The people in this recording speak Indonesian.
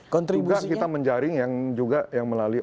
kita menjaring juga yang melalui